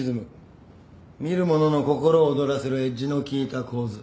見る者の心を躍らせるエッジの効いた構図。